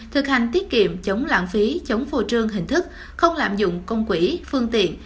thực hành tiết kiệm chống lãng phí chống phô trương hình thức không lạm dụng công quỹ phương tiện